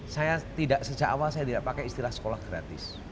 saya tidak sejak awal saya tidak pakai istilah sekolah gratis